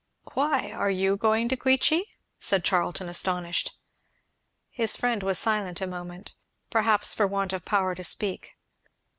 "Why are you going to Queechy?" said Charlton astonished. His friend was silent a moment, perhaps for want of power to speak.